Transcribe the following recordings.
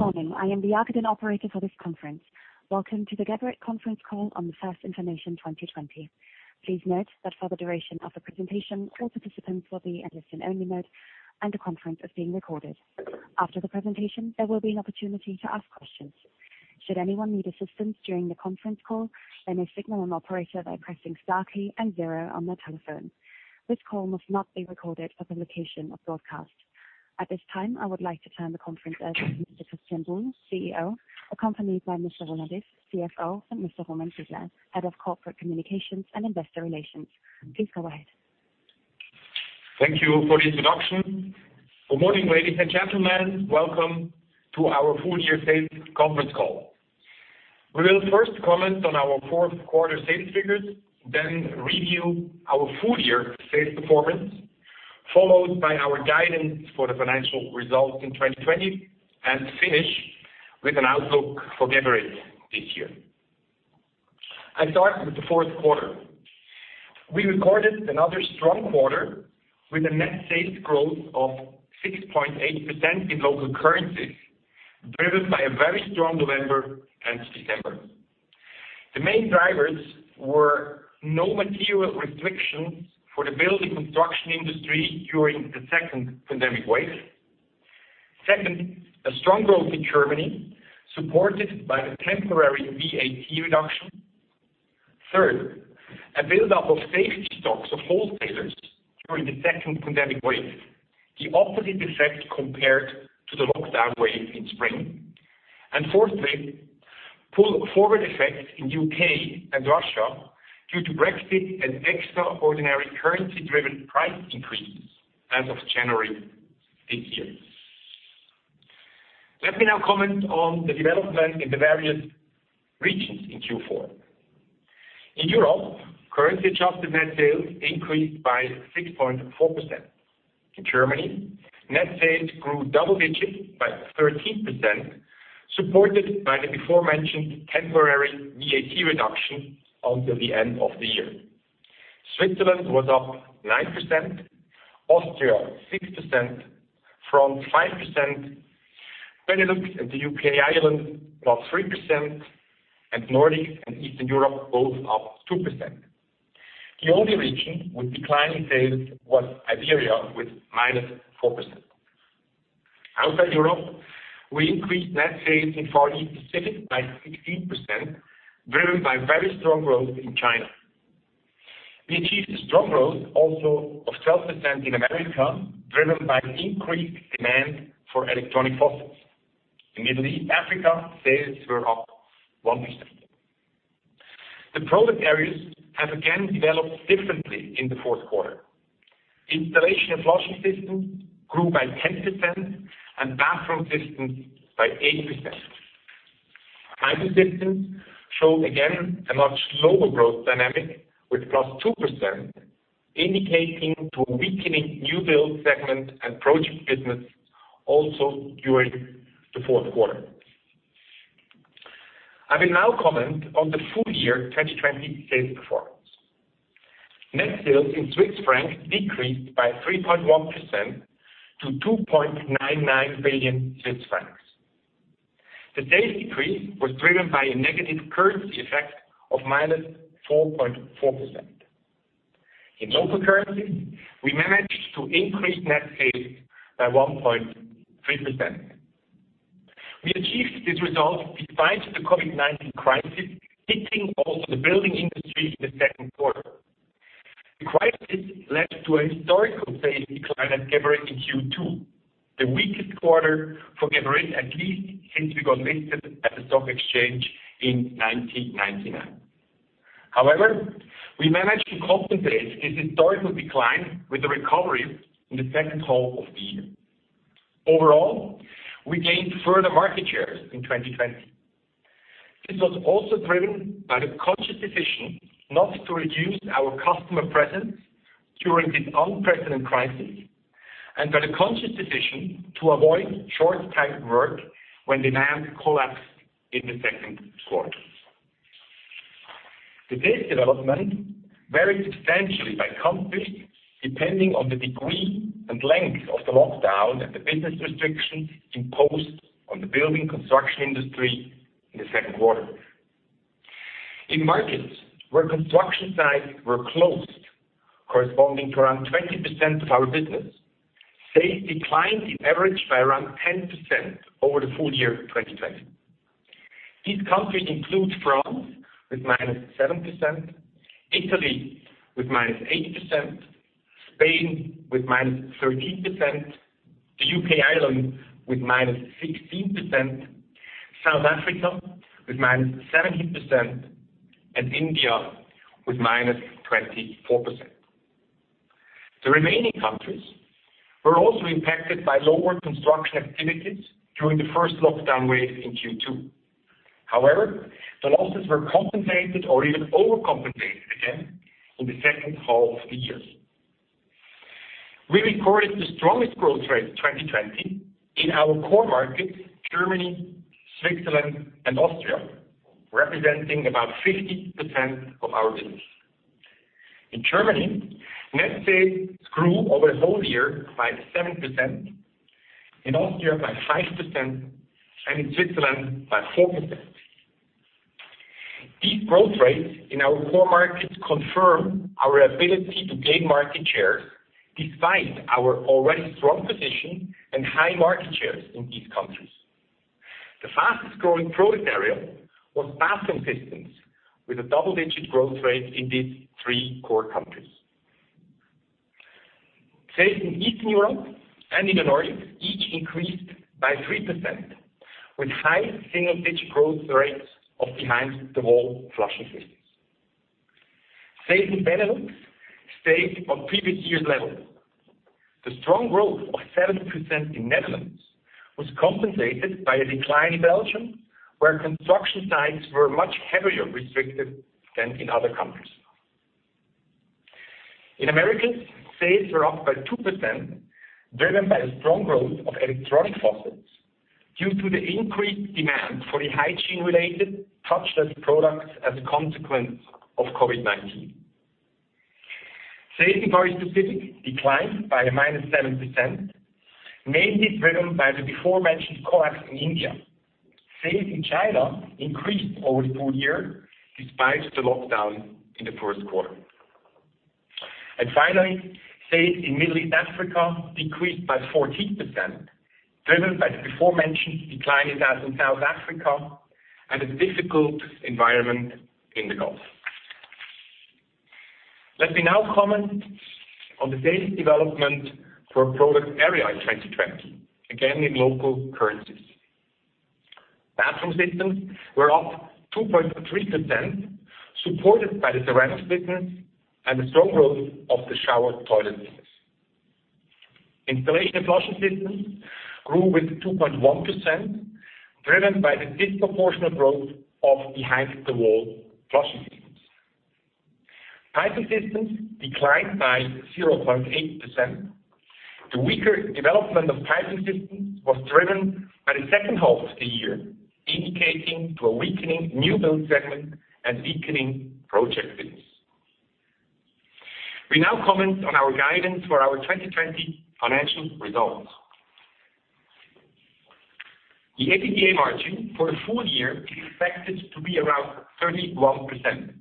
Good morning. I am the Operator for this conference. Welcome to the Geberit Conference Call on the First Information 2020. Please note that for the duration of the presentation, all participants will be in listen only mode, and the conference is being recorded. After the presentation, there will be an opportunity to ask questions. Should anyone need assistance during the conference call, they may signal an operator by pressing star key and zero on their telephone. This call must not be recorded for the location of broadcast. At this time, I would like to turn the conference over to Christian Buhl, CEO, accompanied by Roland Iff, CFO, and Roman Sidler, Head of Corporate Communications and Investor Relations. Please go ahead. Thank you for the introduction. Good morning, ladies and gentlemen. Welcome to our Full Year Sales Conference Call. We will first comment on our fourth quarter sales figures, then review our full year sales performance, followed by our guidance for the financial results in 2020, and finish with an outlook for Geberit this year. I start with the fourth quarter. We recorded another strong quarter with a net sales growth of 6.8% in local currencies, driven by a very strong November and December. The main drivers were no material restrictions for the building construction industry during the second pandemic wave. Second, a strong growth in Germany, supported by the temporary VAT reduction. Third, a buildup of safety stocks of wholesalers during the second pandemic wave, the opposite effect compared to the lockdown wave in spring. Fourthly, pull forward effect in U.K. and Russia due to Brexit and extraordinary currency driven price increase as of January this year. Let me now comment on the development in the various regions in Q4. In Europe, currency adjusted net sales increased by 6.4%. In Germany, net sales grew double digits by 13%, supported by the before mentioned temporary VAT reduction until the end of the year. Switzerland was up 9%, Austria 6%, France 5%, Benelux and the U.K./Ireland up 3%, and Nordic and Eastern Europe both up 2%. The only region with declining sales was Iberia with -4%. Outside Europe, we increased net sales in Far East Pacific by 16%, driven by very strong growth in China. We achieved a strong growth also of 12% in America, driven by increased demand for electronic faucets. In Middle East Africa, sales were up 1%. The product areas have again developed differently in the fourth quarter. Installation and Flushing Systems grew by 10% and Bathroom Systems by 8%. Piping Systems showed again a much slower growth dynamic with +2%, indicating to weakening new build segment and project business also during the fourth quarter. I will now comment on the full year 2020 sales performance. Net sales in CHF decreased by 3.1% to 2.99 billion Swiss francs. The sales decrease was driven by a negative currency effect of -4.4%. In local currency, we managed to increase net sales by 1.3%. We achieved this result despite the COVID-19 crisis hitting also the building industry in the second quarter. The crisis led to a historical sales decline at Geberit in Q2, the weakest quarter for Geberit at least since we got listed at the stock exchange in 1999. However, we managed to compensate this historical decline with a recovery in the second half of the year. Overall, we gained further market shares in 2020. This was also driven by the conscious decision not to reduce our customer presence during this unprecedented crisis, and by the conscious decision to avoid short-term work when demand collapsed in the second quarter. The sales development varied substantially by country depending on the degree and length of the lockdown and the business restrictions imposed on the building construction industry in the second quarter. In markets where construction sites were closed, corresponding to around 20% of our business, sales declined in average by around 10% over the full year 2020. These countries include France with -7%, Italy with -8%, Spain with -13%, the U.K./Ireland with -16%, South Africa with -17%, and India with -24%. The remaining countries were also impacted by lower construction activities during the first lockdown wave in Q2. However, the losses were compensated or even overcompensated again in the second half of the year. We recorded the strongest growth rate of 2020 in our core markets, Germany, Switzerland, and Austria, representing about 50% of our business. In Germany, net sales grew over the whole year by 7%, in Austria by 5%, and in Switzerland by 4%. These growth rates in our core markets confirm our ability to gain market share despite our already strong position and high market shares in these countries. The fastest-growing product area was Bathroom Systems, with a double-digit growth rate in these three core countries. Sales in Eastern Europe and in the Nordics each increased by 3%, with high single-digit growth rates of behind-the-wall flushing systems. Sales in Benelux stayed on previous year's level. The strong growth of 7% in Netherlands was compensated by a decline in Belgium, where construction sites were much heavier restricted than in other countries. In Americas, sales were up by 2%, driven by the strong growth of electronic faucets due to the increased demand for the hygiene-related touchless products as a consequence of COVID-19. Sales in Asia-Pacific declined by -7%, mainly driven by the before-mentioned collapse in India. Sales in China increased over the full year despite the lockdown in the first quarter. Finally, sales in Middle East/Africa decreased by 14%, driven by the before-mentioned decline in South Africa and a difficult environment in the Gulf. Let me now comment on the sales development for product area in 2020, again, in local currencies. Bathroom Systems were up 2.3%, supported by the ceramics business and the strong growth of the shower toilets. Installation and Flushing Systems grew with 2.1%, driven by the disproportionate growth of behind-the-wall flushing systems. Piping Systems declined by 0.8%. The weaker development of Piping Systems was driven by the second half of the year, indicating to a weakening new build segment and weakening project business. We now comment on our guidance for our 2020 financial results. The EBITDA margin for the full year is expected to be around 31%.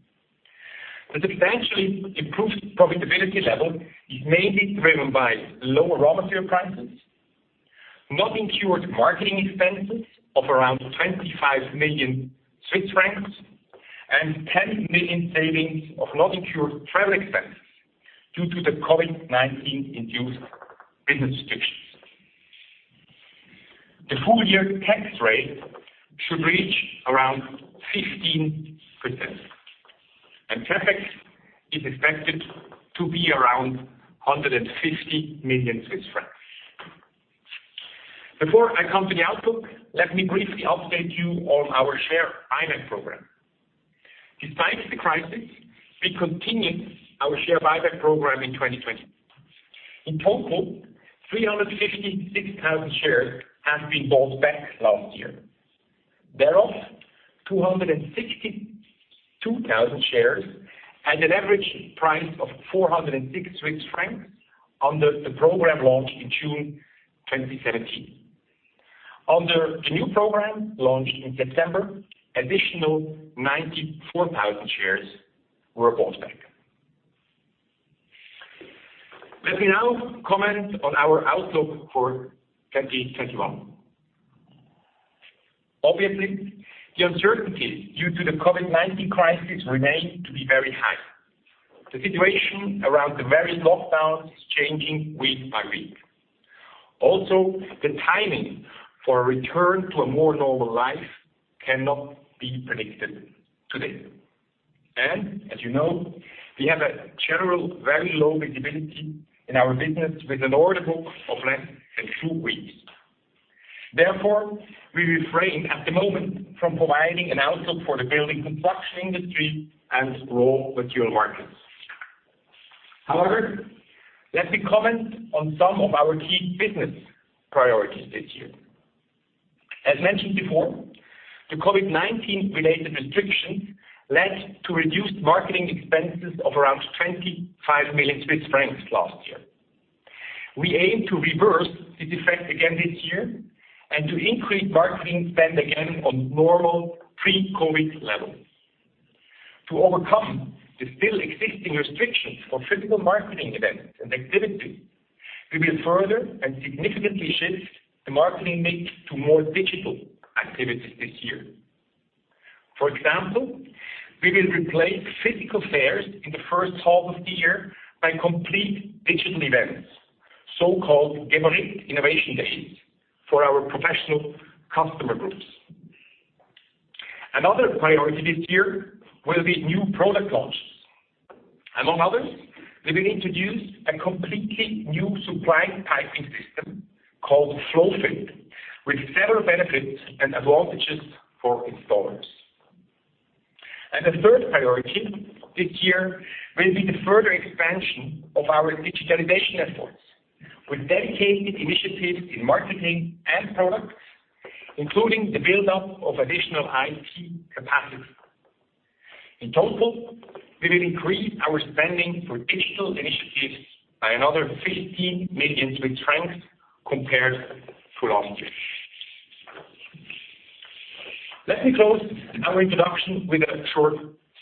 The substantially improved profitability level is mainly driven by lower raw material prices, not incurred marketing expenses of around 25 million Swiss francs, and 10 million savings of not incurred travel expenses due to the COVID-19 induced business restrictions. The full-year tax rate should reach around 15%, and CapEx is expected to be around 150 million Swiss francs. Before I come to the outlook, let me briefly update you on our share buyback program. Despite the crisis, we continued our share buyback program in 2020. In total, 356,000 shares have been bought back last year. Thereof, 262,000 shares at an average price of 406 Swiss francs under the program launched in June 2017. Under the new program launched in September, additional 94,000 shares were bought back. Let me now comment on our outlook for 2021. Obviously, the uncertainties due to the COVID-19 crisis remain to be very high. The situation around the various lockdowns is changing week by week. The timing for a return to a more normal life cannot be predicted today. As you know, we have a general very low visibility in our business with an order book of less than two weeks. Therefore, we refrain at the moment from providing an outlook for the building construction industry and raw material markets. Let me comment on some of our key business priorities this year. As mentioned before, the COVID-19 related restrictions led to reduced marketing expenses of around 25 million Swiss francs last year. We aim to reverse this effect again this year and to increase marketing spend again on normal pre-COVID levels. To overcome the still existing restrictions for physical marketing events and activities, we will further and significantly shift the marketing mix to more digital activities this year. For example, we will replace physical fairs in the first half of the year by complete digital events, so-called Geberit Innovation Days for our professional customer groups. Another priority this year will be new product launches. Among others, we will introduce a completely new supply piping system called FlowFit, with several benefits and advantages for installers. The third priority this year will be the further expansion of our digitalization efforts with dedicated initiatives in marketing and product, including the buildup of additional IT capacity. In total, we will increase our spending for digital initiatives by another 15 million compared to last year. Let me close our introduction with a short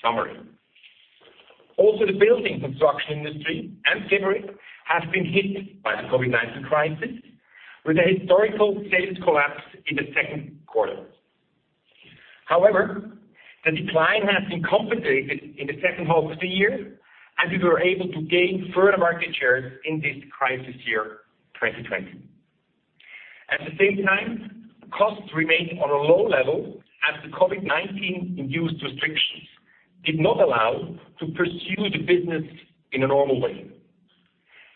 summary. The building construction industry and Geberit have been hit by the COVID-19 crisis, with a historical sales collapse in the second quarter. However, the decline has been compensated in the second half of the year, and we were able to gain further market shares in this crisis year, 2020. At the same time, costs remained on a low level as the COVID-19 induced restrictions did not allow to pursue the business in a normal way.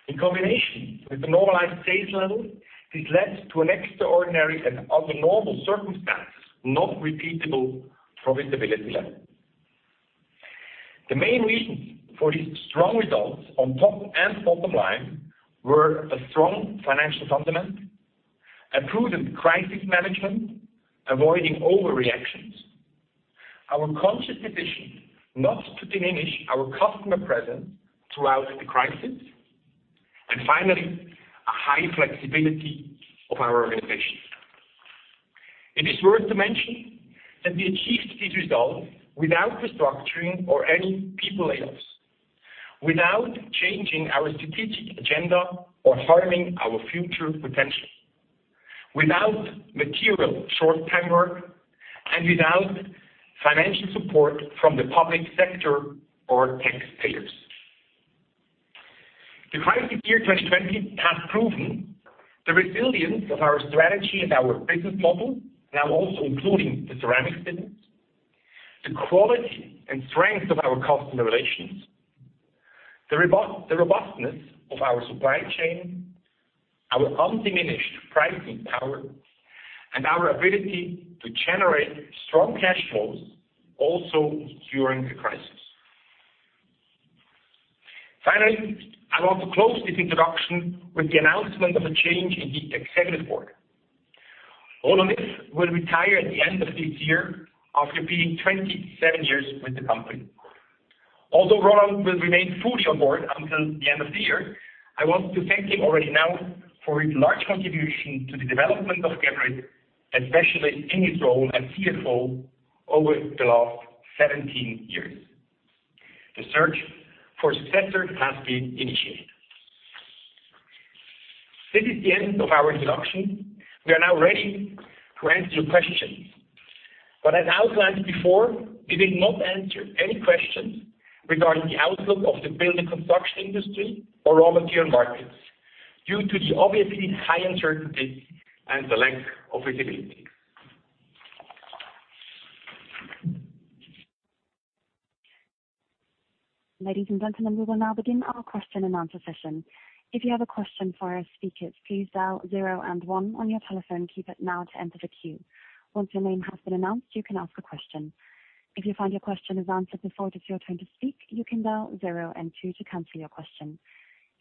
In combination with the normalized sales level, this led to an extraordinary and, under normal circumstances, not repeatable profitability level. The main reasons for these strong results on top and bottom line were a strong financial fundament, a prudent crisis management, avoiding overreactions, our conscious decision not to diminish our customer presence throughout the crisis, and finally, a high flexibility of our organization. It is worth to mention that we achieved these results without restructuring or any people layoffs, without changing our strategic agenda or harming our future potential, without material short-time work, and without financial support from the public sector or taxpayers. The crisis year 2020 has proven the resilience of our strategy and our business model, now also including the ceramics business, the quality and strength of our customer relations, the robustness of our supply chain, our undiminished pricing power, and our ability to generate strong cash flows also during the crisis. Finally, I want to close this introduction with the announcement of a change in the executive board. Roland Iff will retire at the end of this year after being 27 years with the company. Although Roland will remain fully on board until the end of the year, I want to thank him already now for his large contribution to the development of Geberit, especially in his role as CFO over the last 17 years. The search for a successor has been initiated. This is the end of our introduction. We are now ready to answer your questions. As outlined before, we will not answer any questions regarding the outlook of the building construction industry or raw material markets due to the obviously high uncertainty and the lack of visibility. Ladies and gentlemen, we will now begin our question and answer session. If you have a question for our speakers, please dial zero and one on your telephone keypad now to enter the queue. Once your name has been announced, you can ask a question. If you find your question is answered before it is your turn to speak, you can dial zero and two to cancel your question.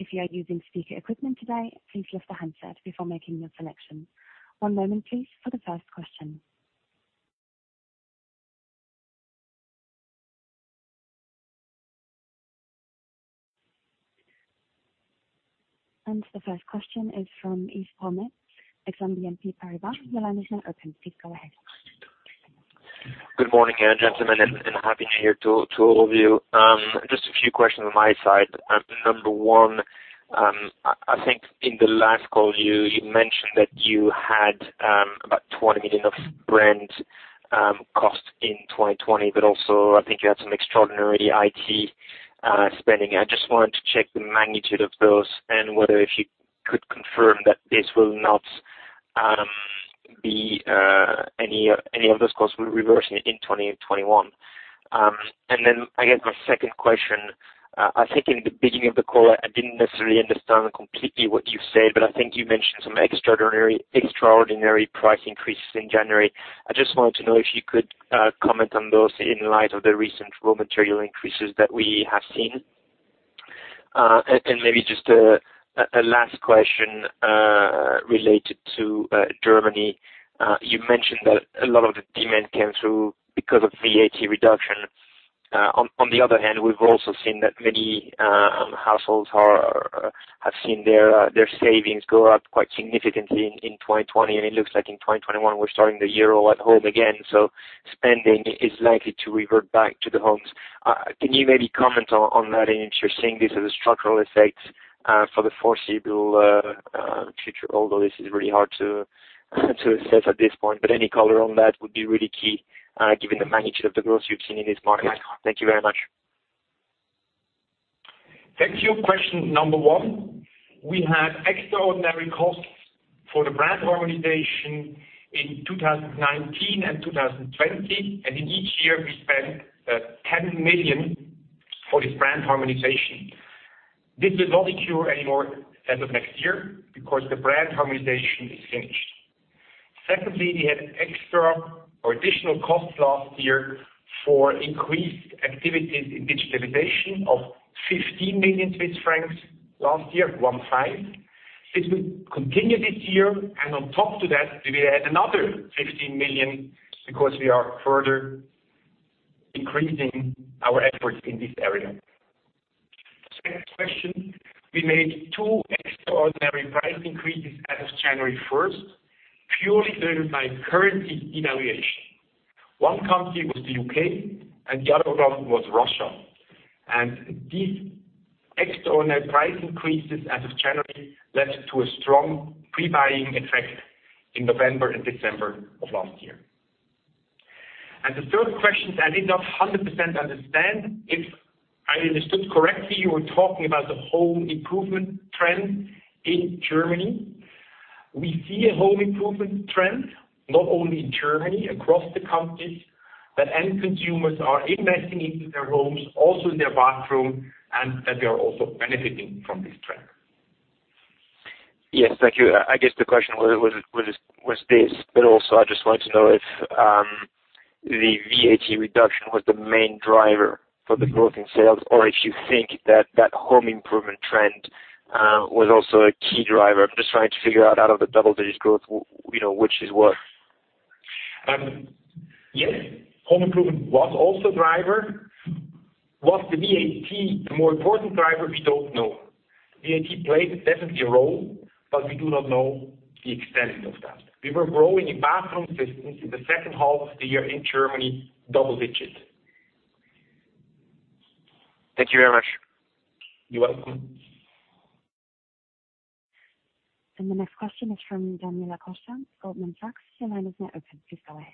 If you are using speaker equipment today, please lift the handset before making your selection. One moment, please, for the first question. And the first question is from Yves Martrenchar, Exane BNP Paribas. Your line is now open. Please go ahead. Good morning gentlemen, happy new year to all of you. Just a few questions on my side. Number one, I think in the last call, you mentioned that you had about 20 million of brand cost in 2020, but also, I think you had some extraordinary IT spending. I just wanted to check the magnitude of those and whether if you could confirm that any of those costs will be reversing in 2021. Then I guess my second question, I think in the beginning of the call, I didn't necessarily understand completely what you said, but I think you mentioned some extraordinary price increases in January. I just wanted to know if you could comment on those in light of the recent raw material increases that we have seen. Maybe just a last question related to Germany. You mentioned that a lot of the demand came through because of VAT reduction. On the other hand, we've also seen that many households have seen their savings go up quite significantly in 2020, and it looks like in 2021, we're starting the year all at home again. Spending is likely to revert back to the homes. Can you maybe comment on that, and if you're seeing this as a structural effect for the foreseeable future? Although this is really hard to assess at this point, but any color on that would be really key, given the magnitude of the growth you've seen in this market. Thank you very much. Thank you. Question number one, we had extraordinary costs for the brand harmonization in 2019 and 2020, and in each year, we spent 10 million for this brand harmonization. This will not occur anymore as of next year because the brand harmonization is finished. Secondly, we had extra or additional costs last year for increased activities in digitalization of 15 million Swiss francs last year, one five. This will continue this year. On top of that, we will add another 15 million because we are further increasing our efforts in this area. Second question, we made two extraordinary price increases as of January 1st, purely driven by currency devaluation. One country was the U.K. and the other one was Russia. These extraordinary price increases as of January led to a strong pre-buying effect in November and December of last year. The third question, I did not 100% understand. If I understood correctly, you were talking about the home improvement trend in Germany? We see a home improvement trend, not only in Germany, across the countries, that end consumers are investing into their homes, also in their bathroom, and that we are also benefiting from this trend. Yes. Thank you. I guess the question was this, but also, I just wanted to know if the VAT reduction was the main driver for the growth in sales or if you think that that home improvement trend was also a key driver? I'm just trying to figure out of the double-digit growth, which is what? Yes. Home improvement was also a driver. Was the VAT the more important driver? We don't know. VAT played definitely a role, but we do not know the extent of that. We were growing in Bathroom Systems in the second half of the year in Germany, double digits. Thank you very much. You're welcome. The next question is from Daniela Costa, Goldman Sachs. Your line is now open. Please go ahead.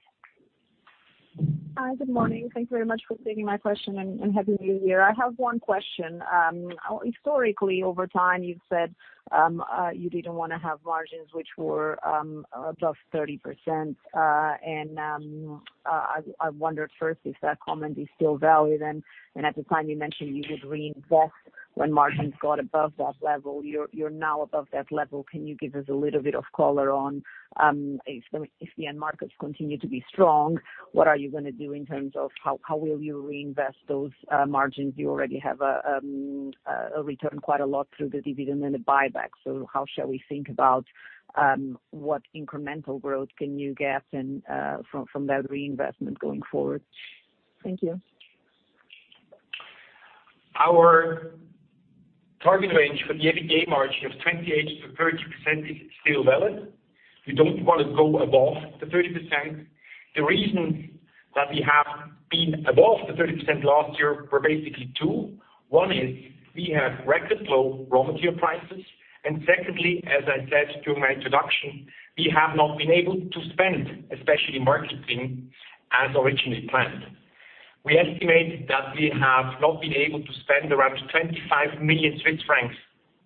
Hi. Good morning. Thank you very much for taking my question, and Happy New Year. I have one question. Historically, over time, you've said, you didn't want to have margins which were above 30%. I wondered first if that comment is still valid. At the time you mentioned you would reinvest when margins got above that level. You're now above that level. Can you give us a little bit of color on, if the end markets continue to be strong, what are you going to do in terms of how will you reinvest those margins? You already have returned quite a lot through the dividend and the buyback. How shall we think about what incremental growth can you get from that reinvestment going forward? Thank you. Our target range for the EBITDA margin of 28%-30% is still valid. We don't want to go above the 30%. The reasons that we have been above the 30% last year were basically two. One is we had record low raw material prices. Secondly, as I said during my introduction, we have not been able to spend, especially marketing, as originally planned. We estimate that we have not been able to spend around 25 million Swiss francs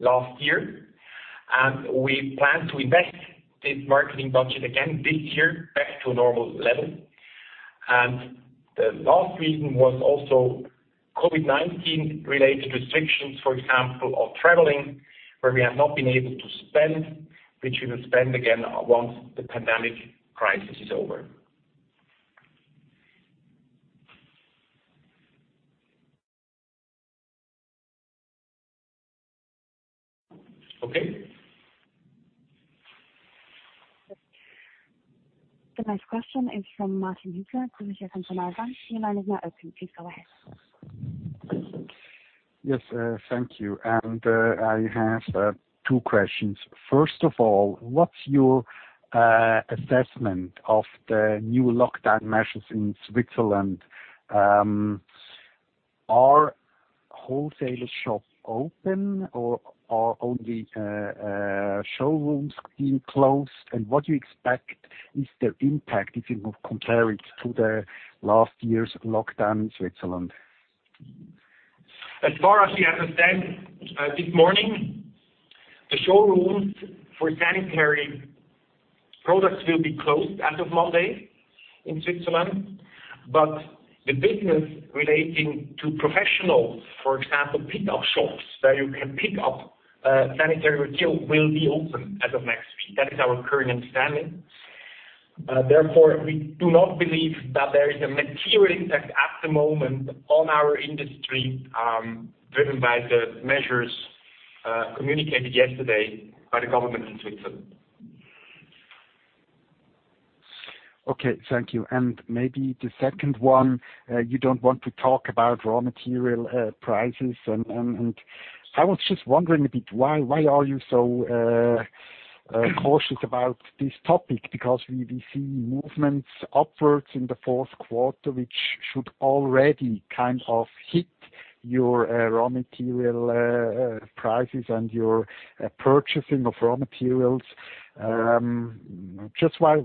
last year, and we plan to invest this marketing budget again this year back to a normal level. The last reason was also COVID-19 related restrictions, for example, of traveling, where we have not been able to spend, which we will spend again once the pandemic crisis is over. Okay. The next question is from Martin Hüsler, Zürcher Kantonalbank. Your line is now open. Please go ahead. Yes. Thank you. I have two questions. First of all, what's your assessment of the new lockdown measures in Switzerland? Are wholesaler shops open, or are only showrooms being closed? What do you expect is the impact, if you compare it to the last year's lockdown in Switzerland? As far as we understand this morning, the showrooms for sanitary products will be closed as of Monday in Switzerland. The business relating to professionals, for example, pickup shops where you can pick up sanitary material, will be open as of next week. That is our current understanding. Therefore, we do not believe that there is a material impact at the moment on our industry, driven by the measures communicated yesterday by the government in Switzerland. Okay. Thank you. Maybe the second one, you don't want to talk about raw material prices. I was just wondering a bit, why are you so cautious about this topic? Because we see movements upwards in the fourth quarter, which should already hit your raw material prices and your purchasing of raw materials. Just why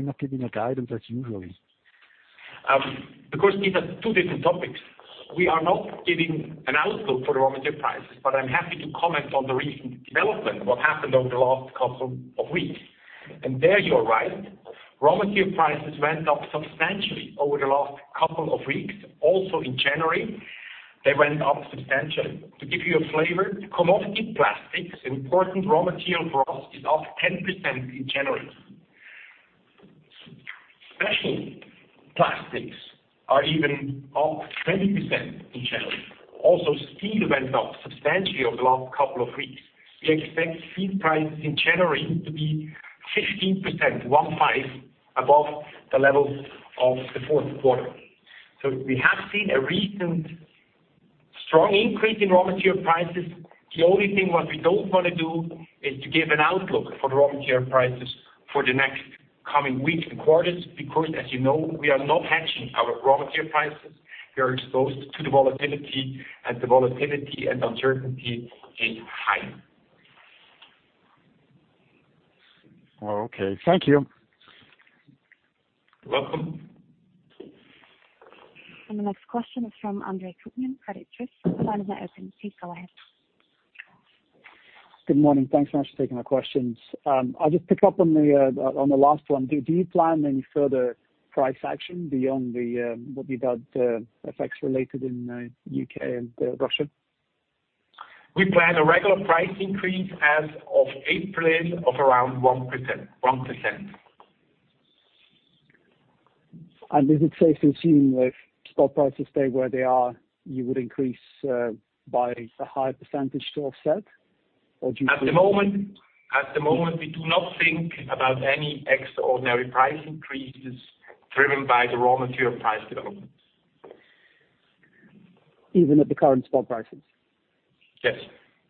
not giving a guidance as usually? Of course, these are two different topics. We are not giving an outlook for the raw material prices, but I'm happy to comment on the recent development, what happened over the last couple of weeks. There you are right. Raw material prices went up substantially over the last couple of weeks, also in January. They went up substantially. To give you a flavor, commodity plastics, important raw material for us, is up 10% in January. Special plastics are even up 20% in January. Steel went up substantially over the last couple of weeks. We expect steel prices in January to be 15%, one five, above the levels of the fourth quarter. We have seen a recent strong increase in raw material prices. The only thing what we don't want to do is to give an outlook for the raw material prices for the next coming weeks and quarters. As you know, we are not hedging our raw material prices. We are exposed to the volatility, and the volatility and uncertainty is high. Okay. Thank you. You're welcome. The next question is from Andre Kukhnin, Credit Suisse. Your line is now open. Please go ahead. Good morning. Thanks very much for taking our questions. I'll just pick up on the last one. Do you plan any further price action beyond what you did effects related in the U.K. and Russia? We plan a regular price increase as of April of around 1%. Is it safe to assume if stock prices stay where they are, you would increase by a higher percentage to offset? At the moment, we do not think about any extraordinary price increases driven by the raw material price developments. Even at the current stock prices? Yes.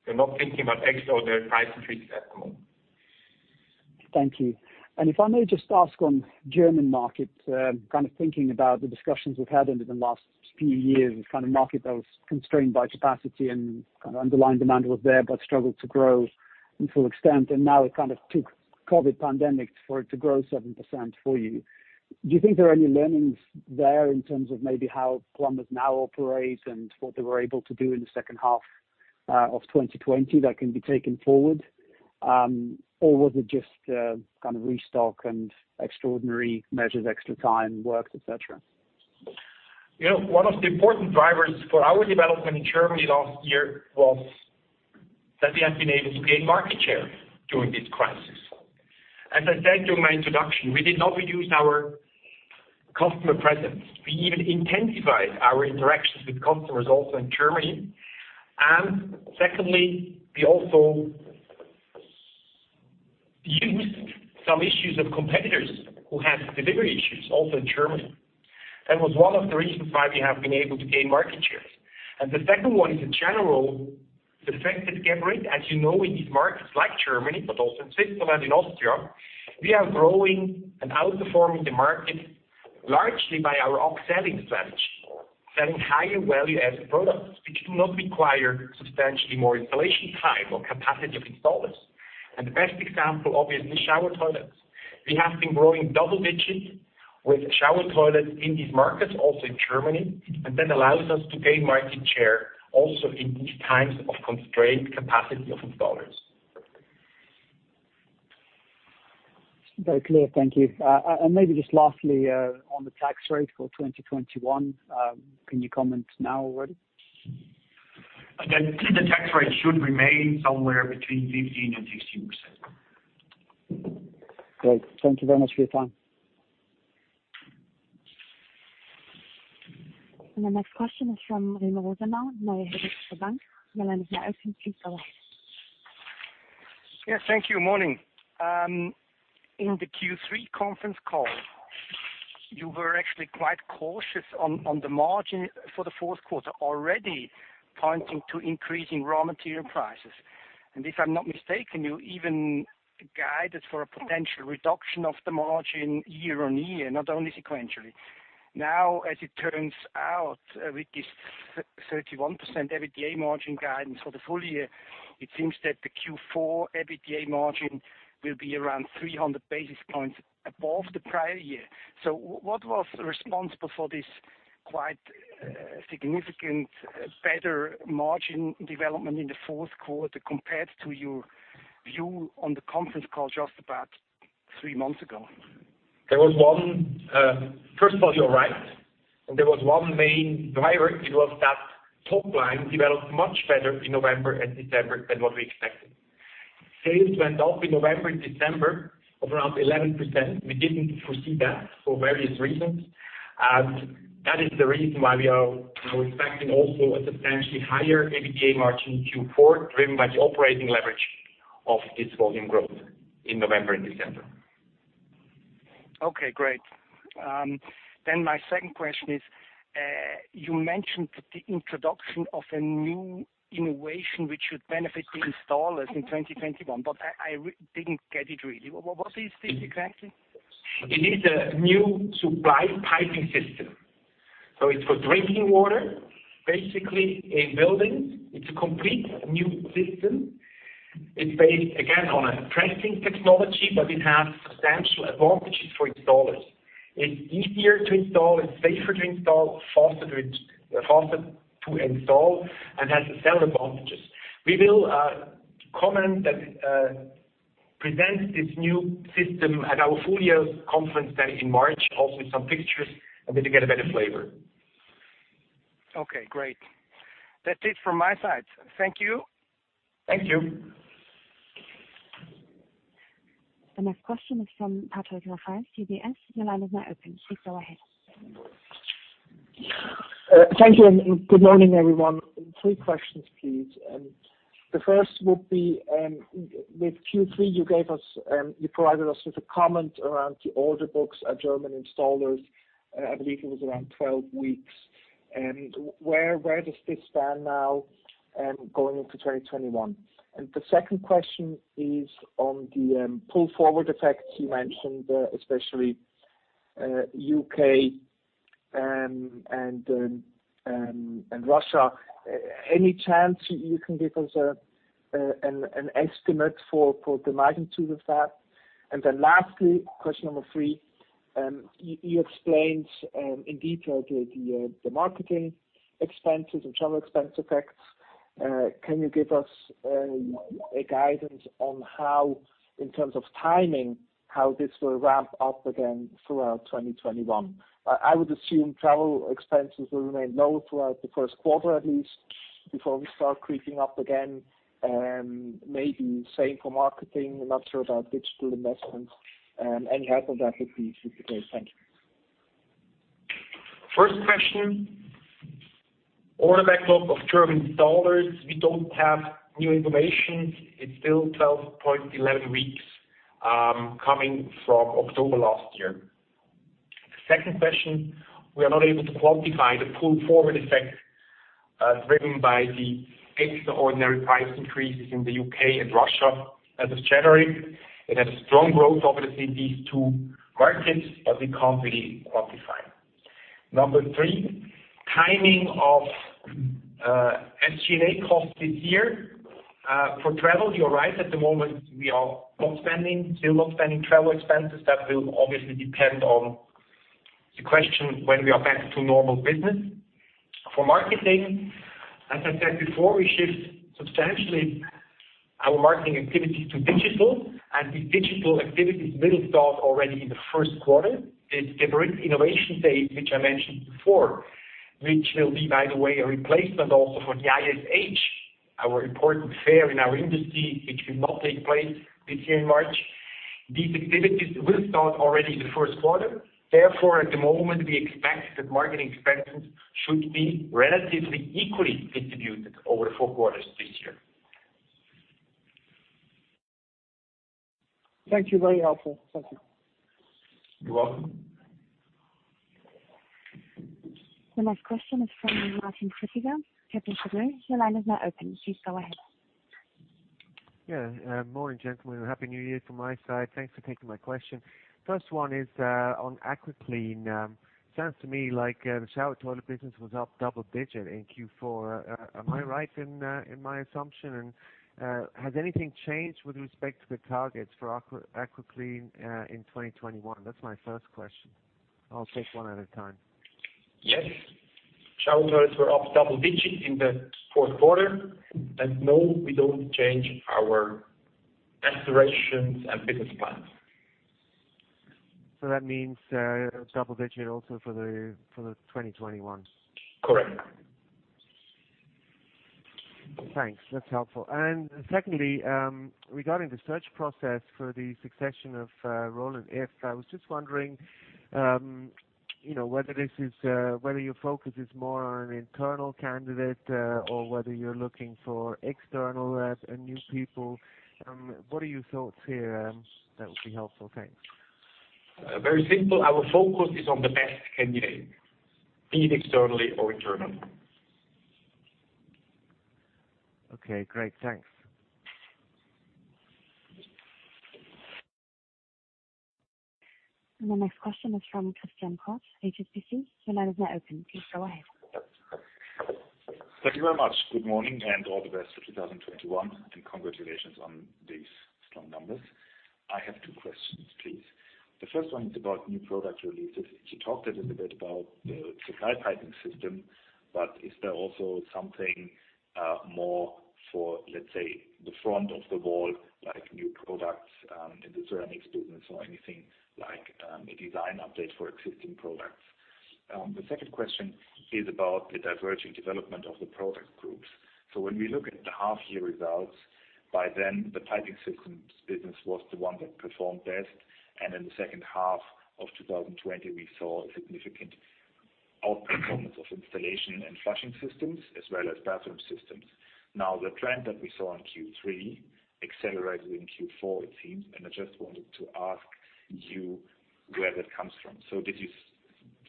We're not thinking about extraordinary price increases at the moment. Thank you. If I may just ask on German market, kind of thinking about the discussions we've had over the last few years of kind of market that was constrained by capacity and kind of underlying demand was there, but struggled to grow in full extent, and now it kind of took COVID pandemic for it to grow 7% for you. Do you think there are any learnings there in terms of maybe how plumbers now operate and what they were able to do in the second half of 2020 that can be taken forward? Or was it just kind of restock and extraordinary measures, extra time worked, et cetera? One of the important drivers for our development in Germany last year was that we have been able to gain market share during this crisis. As I said during my introduction, we did not reduce our customer presence. We even intensified our interactions with customers also in Germany. Secondly, we also used some issues of competitors who had delivery issues also in Germany. That was one of the reasons why we have been able to gain market shares. The second one is a general, the fact that Geberit, as you know, in these markets like Germany, but also in Switzerland and Austria, we are growing and outperforming the market largely by our upselling strategy, selling higher value-added products, which do not require substantially more installation time or capacity of installers. The best example, obviously, shower toilets. We have been growing double digits with shower toilets in these markets, also in Germany, and that allows us to gain market share also in these times of constrained capacity of installers. Very clear. Thank you. Maybe just lastly, on the tax rate for 2021, can you comment now already? The tax rate should remain somewhere between 15% and 16%. Great. Thank you very much for your time. The next question is from Remo Rosenau, Helvetische Bank. Your line is now open. Please go ahead. Yes, thank you. Morning. In the Q3 conference call, you were actually quite cautious on the margin for the fourth quarter, already pointing to increasing raw material prices. If I'm not mistaken, you even guided for a potential reduction of the margin year-on-year, not only sequentially. As it turns out, with this 31% EBITDA margin guidance for the full year, it seems that the Q4 EBITDA margin will be around 300 basis points above the prior year. What was responsible for this quite significant better margin development in the fourth quarter compared to your view on the conference call just about three months ago? First of all, you're right. There was one main driver. It was that top line developed much better in November and December than what we expected. Sales went up in November and December of around 11%. We didn't foresee that for various reasons. That is the reason why we are now expecting also a substantially higher EBITDA margin in Q4, driven by the operating leverage of this volume growth in November and December. Okay, great. My second question is, you mentioned the introduction of a new innovation which should benefit the installers in 2021, but I didn't get it really. What is this exactly? It is a new supply piping system. It's for drinking water, basically in buildings. It's a complete new system. It's based, again, on a pressing technology, but it has substantial advantages for installers. It's easier to install, it's safer to install, faster to install, and has other advantages. We will present this new system at our Full Year Conference there in March, also with some pictures, and then you get a better flavor. Okay, great. That's it from my side. Thank you. Thank you. The next question is from Patrick Rafaisz, UBS. Your line is now open. Please go ahead. Thank you. Good morning, everyone. Three questions, please. The first would be, with Q3, you provided us with a comment around the order books at German installers. I believe it was around 12 weeks. Where does this stand now going into 2021? The second question is on the pull-forward effects you mentioned, especially U.K. and Russia. Any chance you can give us an estimate for the magnitude of that? Then lastly, question number three. You explained in detail the marketing expenses and travel expense effects. Can you give us a guidance on how, in terms of timing, how this will ramp up again throughout 2021? I would assume travel expenses will remain low throughout the first quarter, at least, before we start creeping up again. Maybe same for marketing. I'm not sure about digital investments. Any help on that would be great. Thank you. First question, order backlog of German installers. We don't have new information. It's still 12 ,11 weeks, coming from October last year. The second question, we are not able to quantify the pull-forward effect driven by the extraordinary price increases in the U.K. and Russia as of January. It had a strong growth, obviously, in these two markets, but we can't really quantify. Number three, timing of SG&A costs this year. For travel, you're right. At the moment, we are still not spending travel expenses. That will obviously depend on the question, when we are back to normal business. For marketing, as I said before, we shift substantially our marketing activity to digital, and the digital activities will start already in the first quarter. The Geberit Innovation Day, which I mentioned before, which will be, by the way, a replacement also for the ISH, our important fair in our industry, which will not take place this year in March. These activities will start already the first quarter. Therefore, at the moment, we expect that marketing expenses should be relatively equally distributed over the four quarters this year. Thank you. Very helpful. Thank you. You're welcome. The next question is from Martin Flueckiger, Kepler Cheuvreux. Your line is now open. Please go ahead. Yeah. Morning, gentlemen. Happy New Year from my side. Thanks for taking my question. First one is on AquaClean. Sounds to me like the shower toilet business was up double-digit in Q4. Am I right in my assumption, has anything changed with respect to the targets for AquaClean in 2021? That's my first question. I'll take one at a time. Yes. shower toilets were up double digit in the fourth quarter, no, we don't change our aspirations and business plans. That means double digit also for 2021? Correct. Thanks. That's helpful. Secondly, regarding the search process for the succession of Roland Iff, I was just wondering whether your focus is more on an internal candidate, or whether you're looking for external and new people. What are your thoughts here? That would be helpful. Thanks. Very simple. Our focus is on the best candidate, be it externally or internally. Okay, great. Thanks. The next question is from Christian Koch, HSBC. Your line is now open. Please go ahead. Thank you very much. Good morning, and all the best for 2021, and congratulations on these strong numbers. I have two questions, please. The first one is about new product releases. You talked a little bit about the supply piping system, but is there also something more for, let's say, the front of the wall, like new products in the ceramics business or anything like a design update for existing products? The second question is about the diverging development of the product groups. When we look at the half year results, by then, the Piping Systems business was the one that performed best, and in the second half of 2020, we saw a significant outperformance of Installation and Flushing Systems as well as Bathroom Systems. The trend that we saw in Q3 accelerated in Q4, it seems, and I just wanted to ask you where that comes from.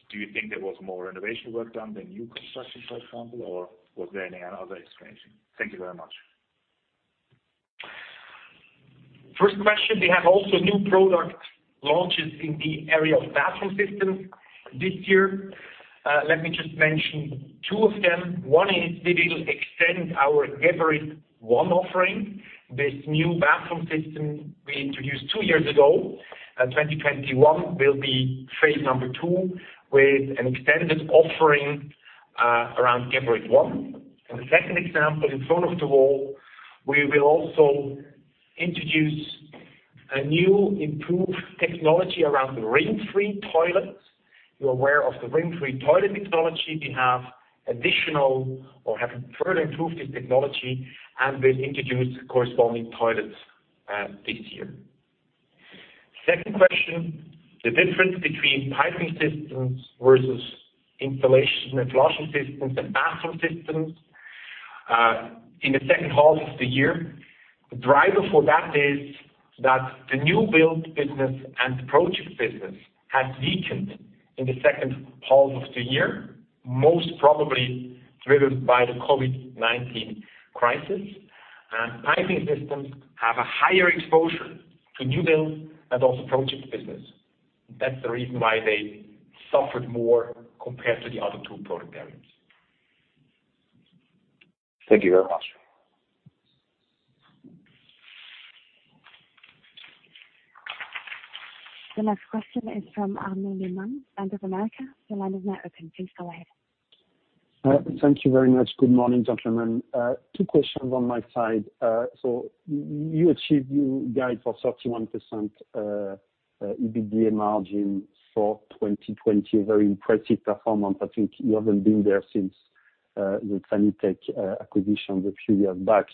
Do you think there was more renovation work done than new construction, for example? Was there any other explanation? Thank you very much. First question, we have also new product launches in the area of Bathroom Systems this year. Let me just mention two of them. One is we will extend our Geberit ONE offering. This new bathroom system we introduced two years ago. 2021 will be phase number two with an extended offering around Geberit ONE. The second example, in front of the wall, we will also introduce a new improved technology around the rim-free toilet. You're aware of the rim-free toilet technology. We have additional or have further improved this technology, and we'll introduce corresponding toilets this year. Second question, the difference between Piping Systems versus Installation and Flushing Systems and Bathroom Systems in the second half of the year. The driver for that is that the new build business and project business has weakened in the second half of the year, most probably triggered by the COVID-19 crisis. Piping Systems have a higher exposure to new build and also project business. That's the reason why they suffered more compared to the other two product areas. Thank you very much. The next question is from Arnaud Lehmann, Bank of America. Thank you very much. Good morning, gentlemen. Two questions on my side. You achieved your guide for 31% EBITDA margin for 2020, a very impressive performance. I think you haven't been there since the Sanitec acquisition a few years back.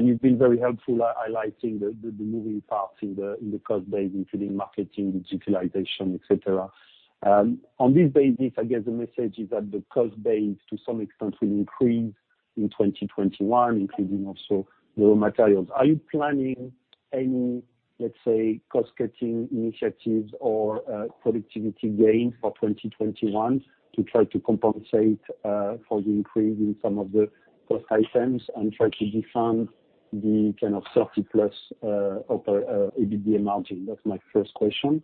You've been very helpful highlighting the moving parts in the cost base, including marketing, digitalization, et cetera. On this basis, I guess the message is that the cost base, to some extent, will increase in 2021, including also raw materials. Are you planning any, let's say, cost-cutting initiatives or productivity gains for 2021 to try to compensate for the increase in some of the cost items and try to defend the kind of 30%+ EBITDA margin? That's my first question?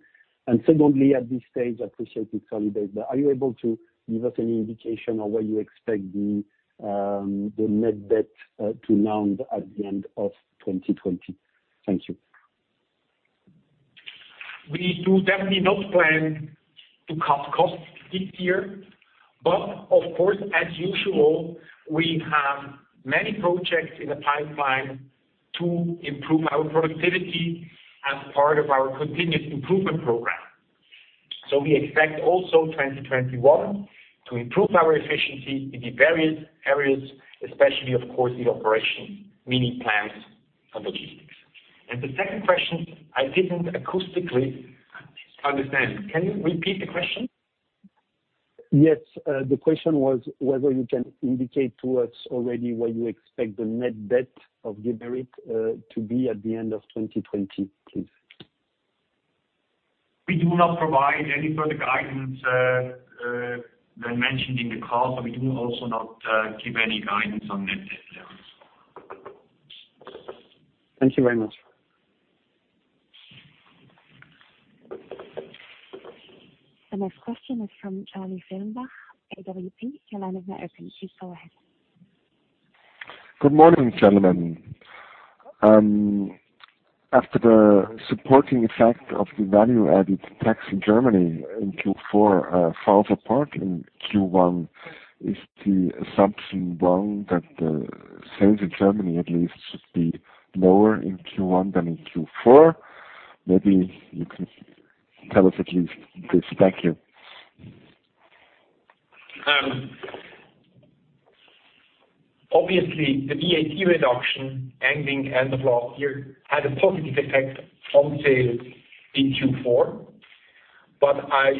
Secondly, at this stage, I appreciate it's early days, but are you able to give us any indication on where you expect the net debt to land at the end of 2020? Thank you. We do definitely not plan to cut costs this year. Of course, as usual, we have many projects in the pipeline to improve our productivity as part of our continuous improvement program. We expect also 2021 to improve our efficiency in the various areas, especially, of course, the operation, meaning plants and logistics. The second question, I didn't acoustically understand. Can you repeat the question? Yes. The question was whether you can indicate to us already where you expect the net debt of Geberit to be at the end of 2020, please. We do not provide any further guidance than mentioned in the call, so we do also not give any guidance on net debt levels. Thank you very much. The next question is from Charlie Fehrenbach, AWP. Your line is now open. Please go ahead. Good morning, gentlemen. After the supporting effect of the value-added tax in Germany in Q4 falls apart in Q1, is the assumption wrong that the sales in Germany at least should be lower in Q1 than in Q4? Maybe you can tell us at least this. Thank you. Obviously, the VAT reduction ending end of last year had a positive effect on sales in Q4, but I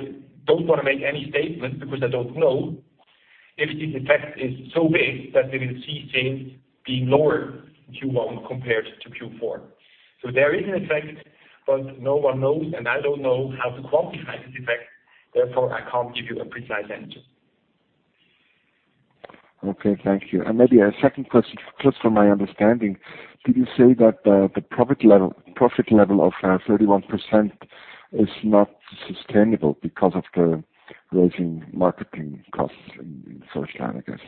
don't want to make any statement because I don't know if this effect is so big that we will see sales being lower in Q1 compared to Q4. There is an effect, but no one knows, and I don't know how to quantify this effect, therefore, I can't give you a precise answer. Okay, thank you. Maybe a second question, just for my understanding, did you say that the profit level of 31% is not sustainable because of the rising marketing costs in Switzerland, I guess?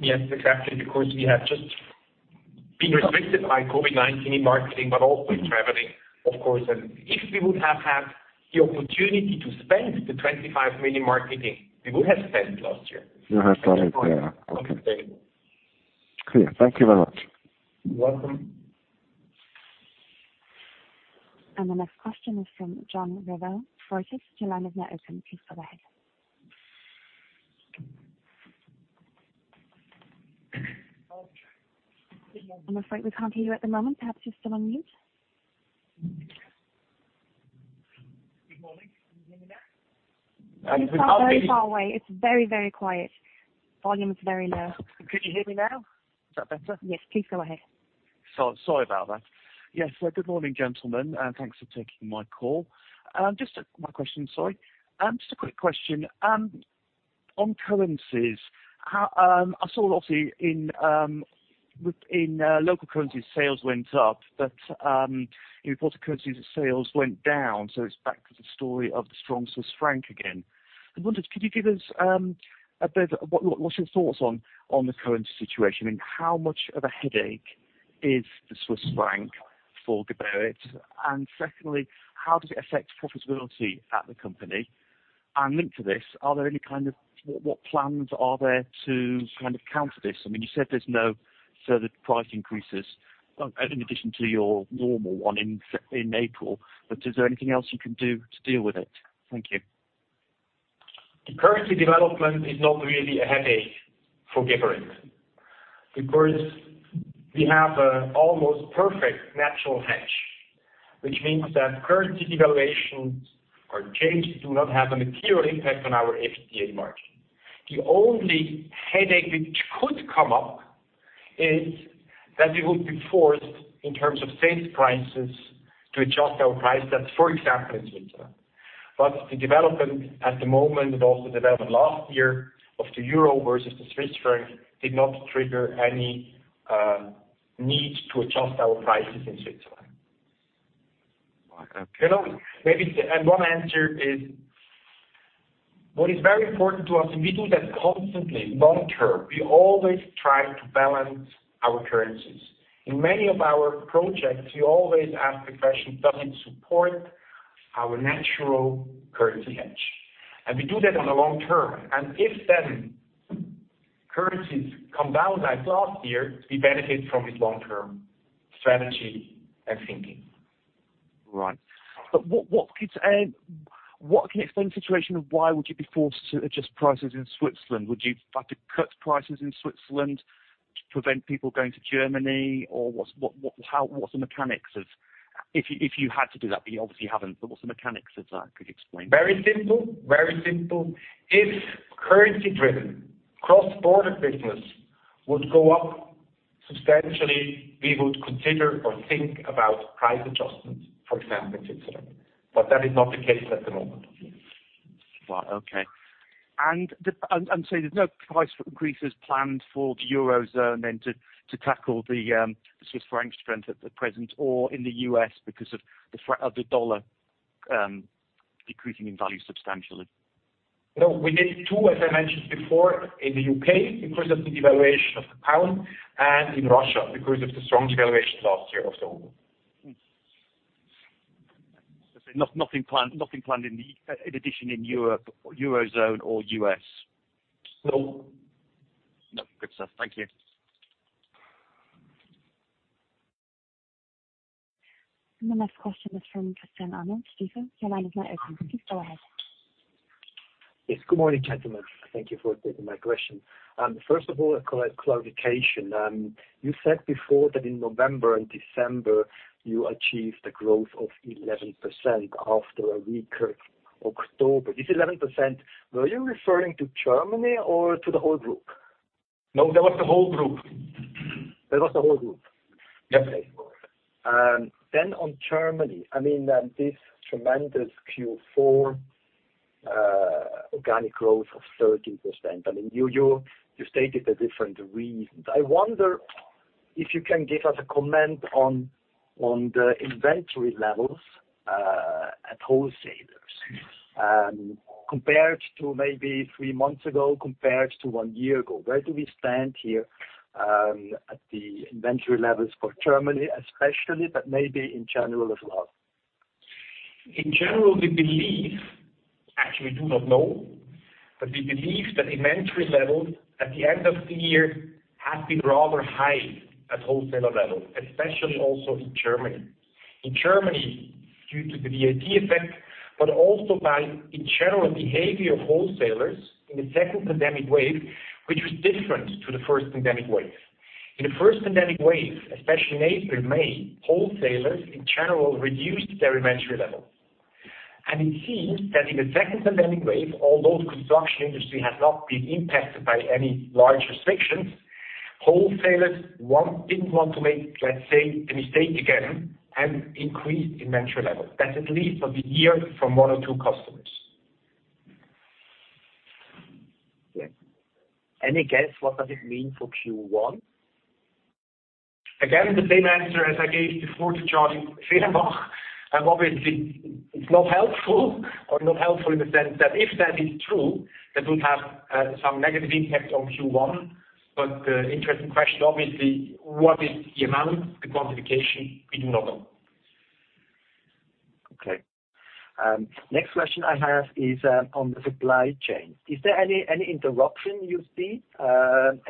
Yes, exactly, we have just been restricted by COVID-19 in marketing, but also with traveling, of course. If we would have had the opportunity to spend the 25 million marketing, we would have spent last year. You would have spent it, yeah. Okay. It's not sustainable. Clear. Thank you very much. You're welcome. The next question is from John Revill, Reuters. Your line is now open. Please go ahead. I'm afraid we can't hear you at the moment. Perhaps you're still on mute. Good morning. Can you hear me now? You sound very far away. It's very, very quiet. Volume is very low. Could you hear me now? Is that better? Yes. Please go ahead. Sorry about that. Yes. Good morning, gentlemen. Thanks for taking my call. Just a quick question. On currencies, I saw lastly in local currencies, sales went up, but in reported currencies, the sales went down. It's back to the story of the strong Swiss franc again. I wondered, what's your thoughts on the currency situation, and how much of a headache is the Swiss franc for Geberit? Secondly, how does it affect profitability at the company? Linked to this, what plans are there to counter this? You said there's no further price increases in addition to your normal one in April. Is there anything else you can do to deal with it? Thank you. The currency development is not really a headache for Geberit, because we have an almost perfect natural hedge, which means that currency devaluations or changes do not have a material impact on our EBITDA margin. The only headache which could come up is that we would be forced, in terms of sales prices, to adjust our price, for example, in Switzerland. The development at the moment, and also the development last year of the euro versus the Swiss franc, did not trigger any need to adjust our prices in Switzerland. Right. Okay. Maybe one answer is what is very important to us, and we do that constantly long term. We always try to balance our currencies. In many of our projects, we always ask the question, "Does it support our natural currency hedge?" We do that on the long term. If then currencies come down as last year, we benefit from this long-term strategy and thinking. Right. What can explain the situation of why would you be forced to adjust prices in Switzerland? Would you have to cut prices in Switzerland to prevent people going to Germany? What's the mechanics of if you had to do that, but you obviously haven't. What's the mechanics of that? Could you explain? Very simple. If currency-driven cross-border business would go up substantially, we would consider or think about price adjustments, for example, in Switzerland. That is not the case at the moment. Right. Okay. There's no price increases planned for the Eurozone then to tackle the Swiss franc strength at present or in the U.S. because of the dollar decreasing in value substantially. We did two, as I mentioned before, in the U.K. because of the devaluation of the pound, and in Russia because of the strong devaluation last year of the ruble. Nothing planned in addition in Europe or Eurozone or U.S. No. No. Good stuff. Thank you. The next question is from Christian Arnold. Christian, your line is now open. Please go ahead. Yes. Good morning, gentlemen. Thank you for taking my question. First of all, a clarification. You said before that in November and December, you achieved a growth of 11% after a weaker October. This 11%, were you referring to Germany or to the whole group? No, that was the whole group. That was the whole group. Yes. Okay. On Germany, this tremendous Q4 organic growth of 13%. You stated the different reasons. I wonder if you can give us a comment on the inventory levels at wholesalers compared to maybe three months ago, compared to one year ago. Where do we stand here at the inventory levels for Germany especially, but maybe in general as well? In general, we believe, actually, we do not know, but we believe that inventory levels at the end of the year have been rather high at wholesaler level, especially also in Germany. In Germany, due to the VAT effect, but also by the general behavior of wholesalers in the second pandemic wave, which was different to the first pandemic wave. In the first pandemic wave, especially in April, May, wholesalers in general reduced their inventory levels. It seems that in the second pandemic wave, although the construction industry has not been impacted by any large restrictions, wholesalers didn't want to make, let's say, a mistake again and increased inventory levels. That's at least for the year from one or two customers. Yes. Any guess what does it mean for Q1? Again, the same answer as I gave before to Charlie and obviously it's not helpful or not helpful in the sense that if that is true, that would have some negative impact on Q1. The interesting question obviously, what is the amount, the quantification? We do not know. Okay. Next question I have is on the supply chain. Is there any interruption you see,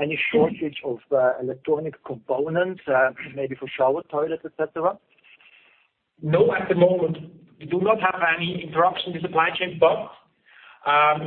any shortage of electronic components, maybe for shower toilets, et cetera? No, at the moment, we do not have any interruption in supply chain, but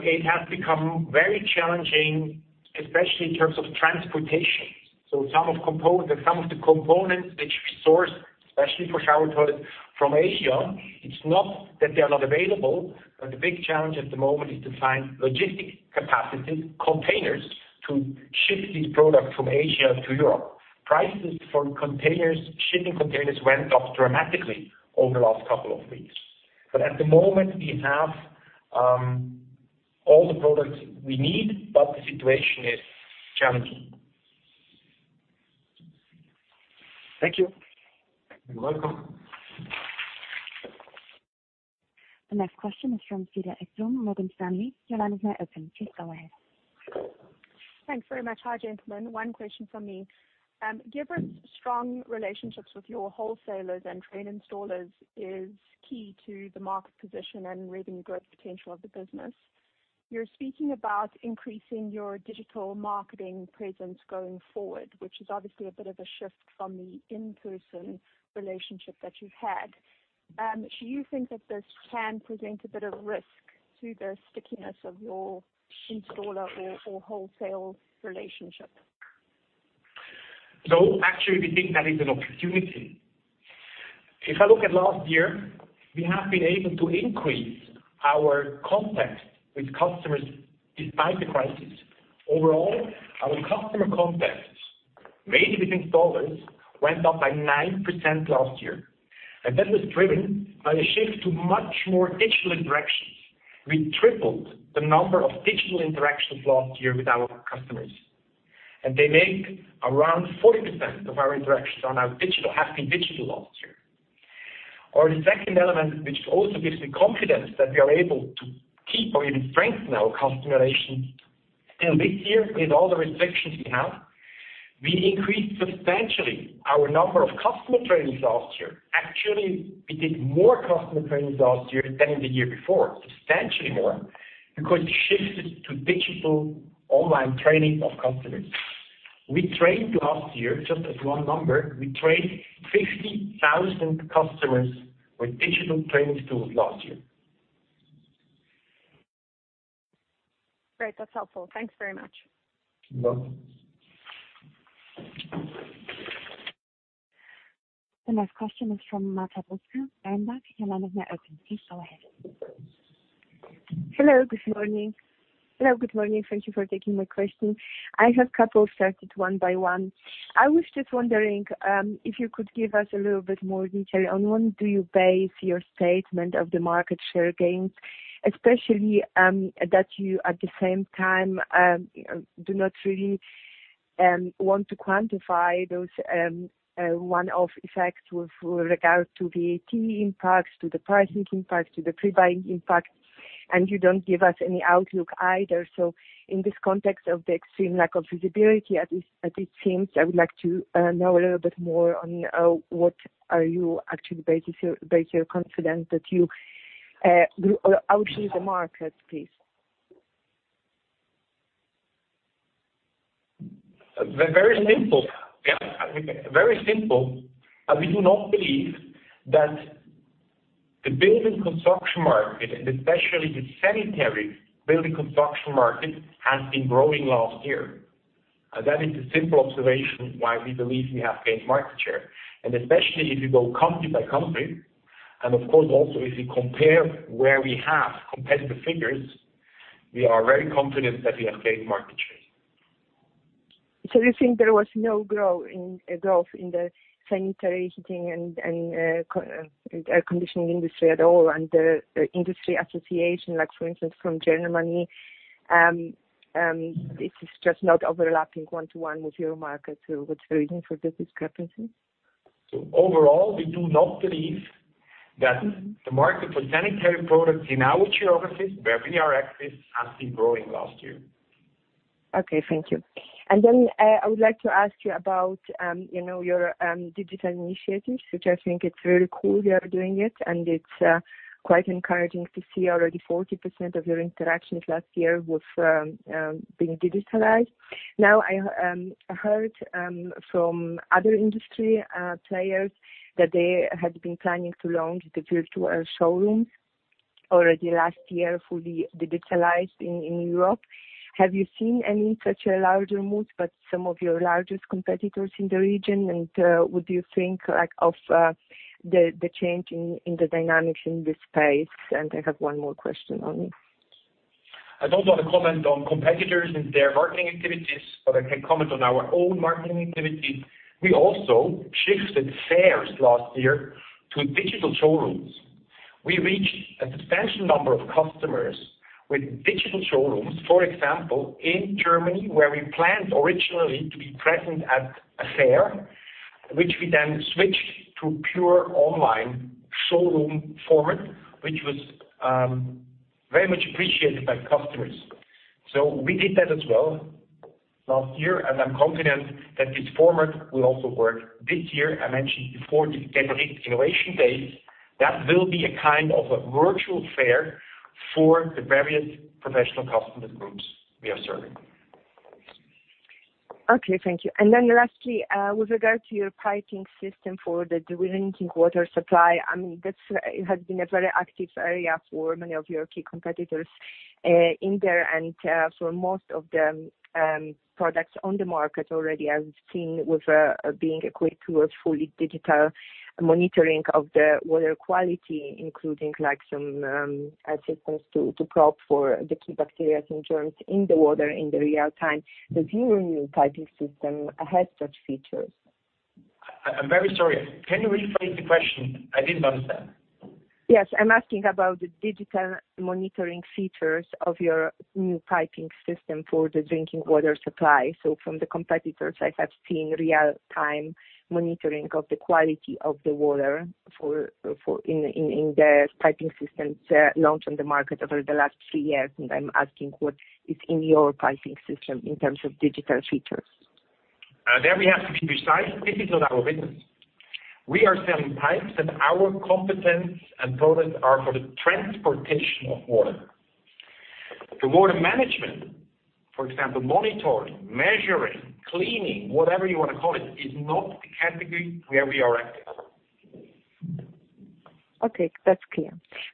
it has become very challenging, especially in terms of transportation. Some of the components which we source, especially for shower toilets from Asia, it's not that they are not available. The big challenge at the moment is to find logistic capacity containers to ship these products from Asia to Europe. Prices for shipping containers went up dramatically over the last couple of weeks. At the moment we have all the products we need, but the situation is challenging. Thank you. You're welcome The next question is from Cedar Ekblom, Morgan Stanley. Your line is now open. Please go ahead. Thanks very much. Hi, gentlemen. One question from me. Geberit's strong relationships with your wholesalers and trained installers is key to the market position and revenue growth potential of the business. You're speaking about increasing your digital marketing presence going forward, which is obviously a bit of a shift from the in-person relationship that you've had. Do you think that this can present a bit of risk to the stickiness of your installer or wholesale relationship? No, actually, we think that is an opportunity. If I look at last year, we have been able to increase our contact with customers despite the crisis. Overall, our customer contacts, mainly with installers, went up by 9% last year. That was driven by the shift to much more digital interactions. We tripled the number of digital interactions last year with our customers, and they make around 40% of our interactions have been digital last year. Our second element, which also gives me confidence that we are able to keep or even strengthen our customer relations, still this year with all the restrictions we have, we increased substantially our number of customer trainings last year. Actually, we did more customer trainings last year than the year before, substantially more, because we shifted to digital online training of customers. We trained last year, just as one number, we trained 50,000 customers with digital training tools last year. Great. That's helpful. Thanks very much. You're welcome. The next question is from Marta Bruska, Berenberg. Your line is now open. Please go ahead. Hello, good morning. Thank you for taking my question. I have couple, start it one by one. I was just wondering, if you could give us a little bit more detail on what do you base your statement of the market share gains, especially, that you, at the same time, do not really want to quantify those one-off effects with regard to VAT impacts, to the pricing impacts, to the pre-buying impact, and you don't give us any outlook either. In this context of the extreme lack of visibility as it seems, I would like to know a little bit more on what are you actually base your confidence that you grew or outpace the market, please. Very simple. We do not believe that the building construction market, and especially the sanitary building construction market, has been growing last year. That is the simple observation why we believe we have gained market share. Especially if you go company by company, and of course, also if you compare where we have competitive figures, we are very confident that we have gained market share. You think there was no growth in the sanitary heating and air conditioning industry at all, and the industry association, like for instance, from Germany, it is just not overlapping one-to-one with your market. What's the reason for this discrepancy? Overall, we do not believe that the market for sanitary products in our geographies where we are active has been growing last year. Thank you. I would like to ask you about your digital initiatives, which I think it's very cool you are doing it, and it's quite encouraging to see already 40% of your interactions last year was being digitalized. I heard from other industry players that they had been planning to launch the virtual showroom already last year, fully digitalized in Europe. Have you seen any such a larger move by some of your largest competitors in the region? What do you think of the change in the dynamics in this space? I have one more question only. I don't want to comment on competitors and their marketing activities, but I can comment on our own marketing activities. We also shifted fairs last year to digital showrooms. We reached a substantial number of customers with digital showrooms. For example, in Germany, where we planned originally to be present at a fair, which we then switched to pure online showroom format, which was very much appreciated by customers. We did that as well last year, and I'm confident that this format will also work this year. I mentioned before the Geberit Innovation Day, that will be a kind of a virtual fair for the various professional customer groups we are serving. Okay, thank you. Lastly, with regard to your piping system for the drinking water supply, that has been a very active area for many of your key competitors, in there and for most of the products on the market already, as we've seen with being equipped with fully digital monitoring of the water quality, including like some assistance to probe for the key bacteria and germs in the water in the real time. Does your new piping system has such features? I'm very sorry. Can you rephrase the question? I didn't understand. Yes. I'm asking about the digital monitoring features of your new piping system for the drinking water supply. From the competitors, I have seen real time monitoring of the quality of the water in the piping systems launched on the market over the last three years, and I'm asking what is in your piping system in terms of digital features. There we have to be precise. This is not our business. We are selling pipes, and our competence and products are for the transportation of water. For water management, for example, monitoring, measuring, cleaning, whatever you want to call it, is not the category where we are active. Okay, that's clear.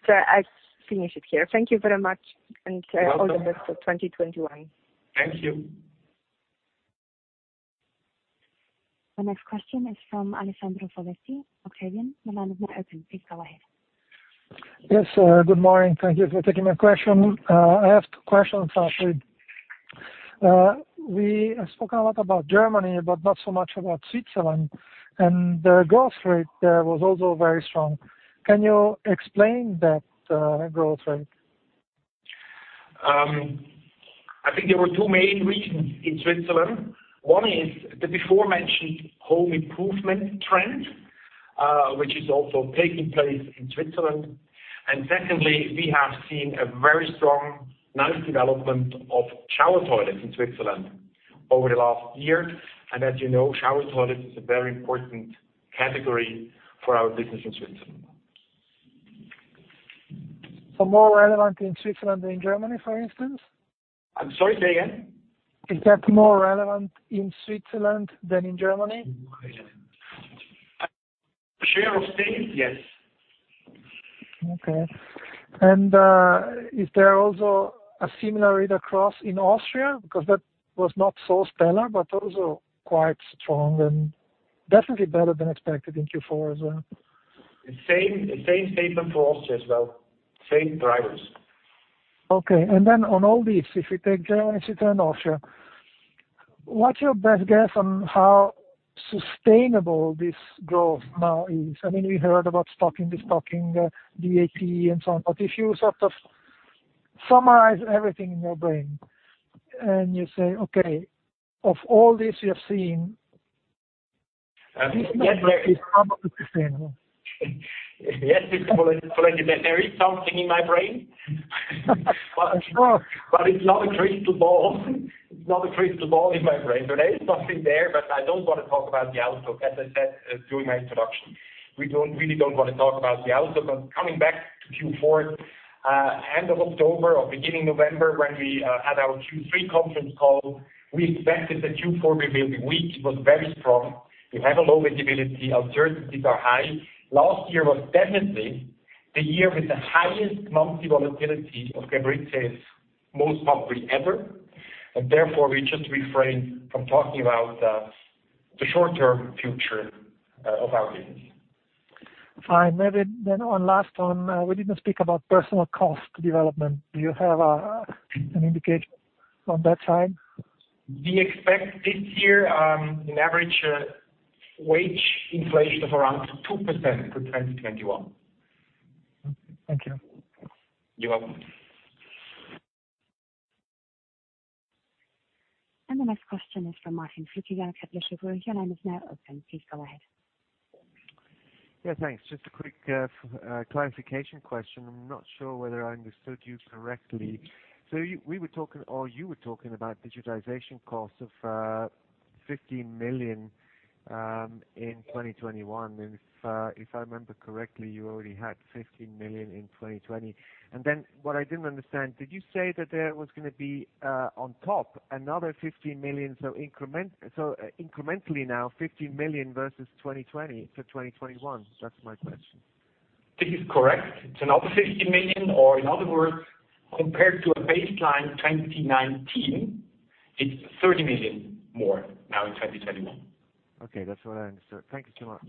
I finish it here. Thank you very much. You're welcome All the best for 2021. Thank you. The next question is from Alessandro Foletti, Octavian. The line is now open. Please go ahead. Yes. Good morning. Thank you for taking my question. I have two questions actually. We have spoken a lot about Germany, but not so much about Switzerland, and the growth rate there was also very strong. Can you explain that growth rate? I think there were two main reasons in Switzerland. One is the before mentioned home improvement trend, which is also taking place in Switzerland. Secondly, we have seen a very strong, nice development of shower toilets in Switzerland over the last year. As you know, shower toilets is a very important category for our business in Switzerland. More relevant in Switzerland than Germany, for instance? I'm sorry, say again? Is that more relevant in Switzerland than in Germany? Share of sales? Yes. Okay. Is there also a similar read across in Austria? Because that was not so stellar, but also quite strong and definitely better than expected in Q4 as well. The same statement for Austria as well. Same drivers. Okay. On all this, if you take Germany, Switzerland, Austria, what's your best guess on how sustainable this growth now is? We heard about stocking, de-stocking, VAT and so on. If you sort of summarize everything in your brain and you say, okay. Yes. How much is sustainable? Yes, it's legendary. There is something in my brain. I'm sure. It's not a crystal ball. It's not a crystal ball in my brain. There is something there, but I don't want to talk about the outlook, as I said during my introduction. We really don't want to talk about the outlook. Coming back to Q4, end of October or beginning November, when we had our Q3 conference call, we expected the Q4 to be weak, but very strong. We have a low visibility, uncertainties are high. Last year was definitely the year with the highest monthly volatility of Geberit's most probably ever. Therefore, we just refrain from talking about the short-term future of our business. Fine. Maybe on last one, we didn't speak about personnel cost development. Do you have an indication on that side? We expect this year, an average wage inflation of around 2% for 2021. Okay. Thank you. You're welcome. The next question is from Martin Flueckiger at Kepler Cheuvreux. Yeah, thanks. Just a quick clarification question. I'm not sure whether I understood you correctly. You were talking about digitization costs of 15 million in 2021. If I remember correctly, you already had 15 million in 2020. What I didn't understand, did you say that there was going to be on top another 15 million, so incrementally now 15 million versus 2020 to 2021? That's my question. This is correct. It's another 15 million, or in other words, compared to a baseline 2019, it's 30 million more now in 2021. Okay. That's what I understood. Thank you so much.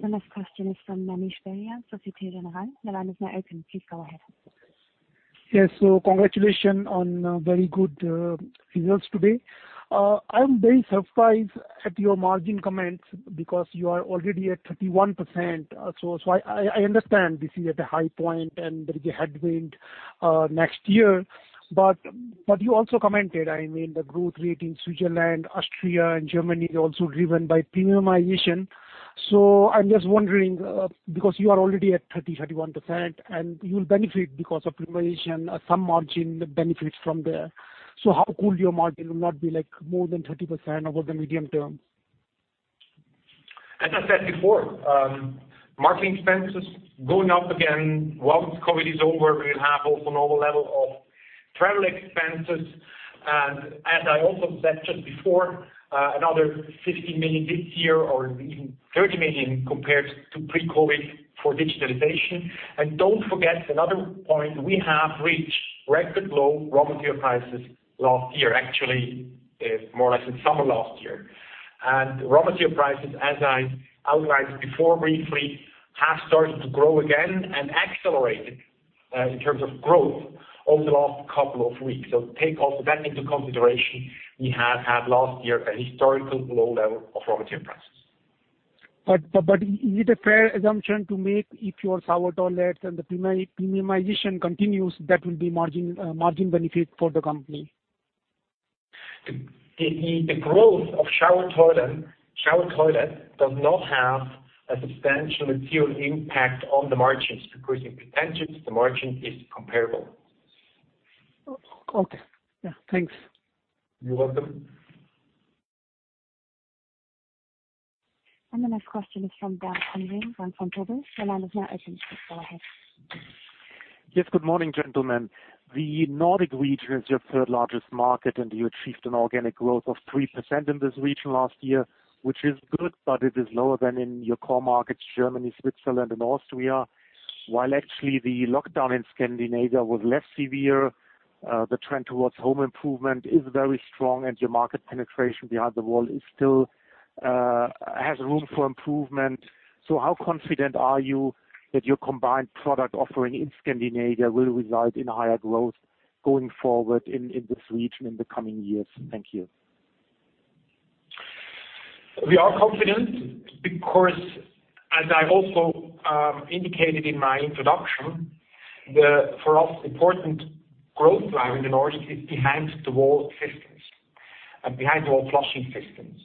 The next question is from Manish Beria, Société Générale. Your line is now open. Please go ahead. Yes. Congratulations on very good figures today. I'm very surprised at your margin comments because you are already at 31%. I understand this is at the high point and there is a headwind next year, you also commented, the growth rate in Switzerland, Austria and Germany is also driven by premiumization. I'm just wondering, because you are already at 30%-31% and you'll benefit because of premiumization, some margin benefits from there. How could your margin not be more than 30% over the medium term? As I said before, marketing expenses going up again. Once COVID is over, we will have also normal level of travel expenses. As I also said just before, another 15 million this year or even 30 million compared to pre-COVID for digitalization. Don't forget another point, we have reached record low raw material prices last year, actually, more or less in summer last year. Raw material prices, as I outlined before briefly, have started to grow again and accelerated in terms of growth over the last couple of weeks. Take also that into consideration. We have had last year a historical low level of raw material prices. Is it a fair assumption to make if your shower toilets and the premiumization continues, that will be margin benefit for the company? The growth of shower toilet does not have a substantial material impact on the margins because in potential, the margin is comparable. Okay. Yeah. Thanks. You're welcome. The next question is from Bernd Pomrehn, Bank Vontobel. Your line is now open. Go ahead. Yes. Good morning, gentlemen. The Nordic region is your third largest market, and you achieved an organic growth of 3% in this region last year, which is good, but it is lower than in your core markets, Germany, Switzerland, and Austria. While actually the lockdown in Scandinavia was less severe, the trend towards home improvement is very strong, and your market penetration behind-the-wall still has room for improvement. How confident are you that your combined product offering in Scandinavia will result in higher growth going forward in this region in the coming years? Thank you. We are confident because, as I also indicated in my introduction, for us, important growth driver in the Nordics is behind the wall systems and behind-the-wall flushing systems.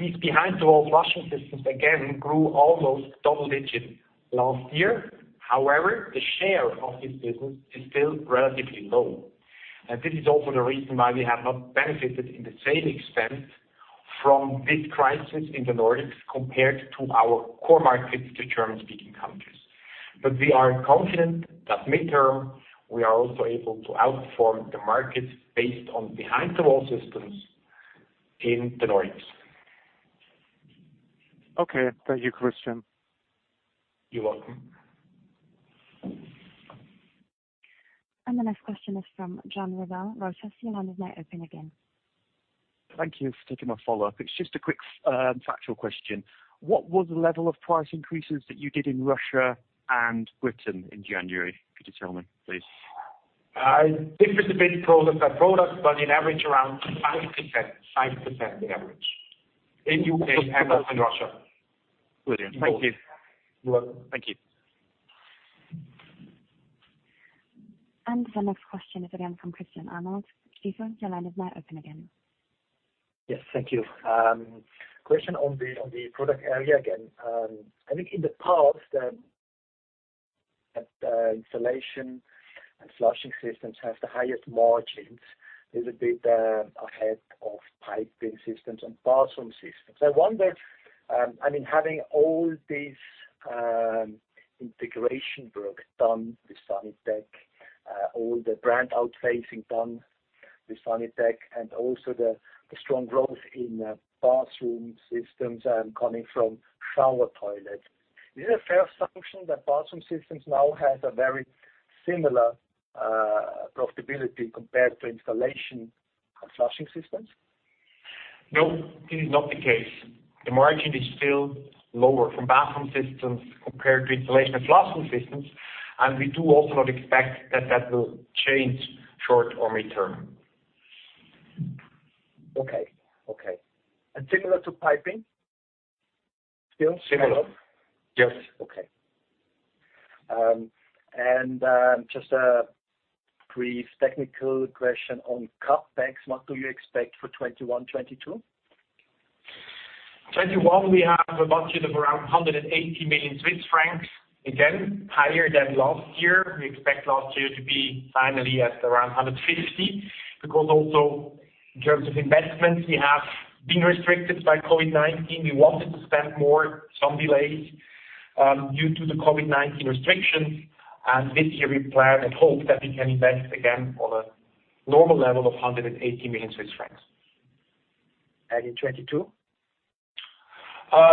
These behind-the-wall flushing systems again grew almost double-digit last year. However, the share of this business is still relatively low. This is also the reason why we have not benefited in the same extent from this crisis in the Nordics compared to our core markets to German-speaking countries. We are confident that midterm, we are also able to outperform the markets based on behind the wall systems in the Nordics. Okay. Thank you, Christian. You're welcome. The next question is from John Revill, Reuters. Your line is now open again. Thank you for taking my follow-up. It's just a quick factual question. What was the level of price increases that you did in Russia and Britain in January, could you tell me, please? It differs a bit product by product, but in average around 5% the average in U.K. and also in Russia. Brilliant. Thank you. You're welcome. Thank you. The next question is again from Christian Arnold. Christian, your line is now open again. Yes. Thank you. Question on the product area again. I think in the past, the Installation and Flushing Systems has the highest margins, is a bit ahead of Piping Systems and Bathroom Systems. I wonder, having all this integration work done with Sanitec, all the brand out phasing done with Sanitec, and also the strong growth in Bathroom Systems coming from shower toilet. Is it a fair assumption that Bathroom Systems now has a very similar profitability compared to Installation and Flushing Systems? No, this is not the case. The margin is still lower from Bathroom Systems compared to Installation and Flushing Systems, and we do also not expect that that will change short or mid-term. Okay. Similar to piping? Still similar? Similar. Yes. Okay. Just a brief technical question on CapEx. What do you expect for 2021, 2022? 2021, we have a budget of around 180 million Swiss francs. Higher than last year. We expect last year to be finally at around 150 million. Also in terms of investments, we have been restricted by COVID-19. We wanted to spend more, some delays due to the COVID-19 restrictions. This year we plan and hope that we can invest again on a normal level of 180 million Swiss francs. In 2022?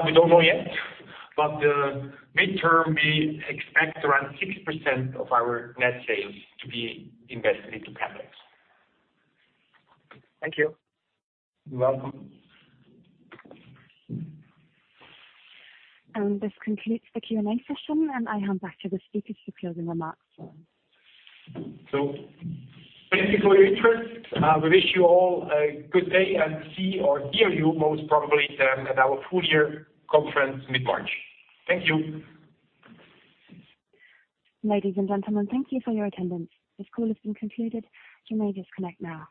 We don't know yet, but mid-term, we expect around 6% of our net sales to be invested into CapEx. Thank you. You're welcome. This concludes the Q&A session, and I hand back to the speakers for closing remarks. Thank you for your interest. We wish you all a good day, and see or hear you most probably at our full year conference mid-March. Thank you. Ladies and gentlemen, thank you for your attendance. This call has been concluded. You may disconnect now.